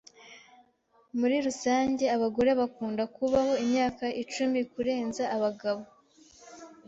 Muri rusange, abagore bakunda kubaho imyaka icumi kurenza abagabo. (Anon)